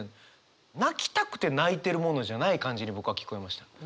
泣きたくて泣いてるものじゃない感じに僕は聞こえました。